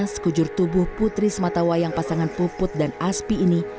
sekujur tubuh putri sematawayang pasangan puput dan aspi ini